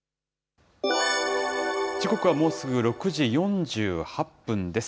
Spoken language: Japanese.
時刻はもうすぐ６時４８分です。